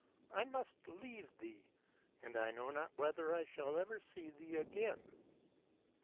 I must leave thee, and I know not whether I shall ever see thee again.'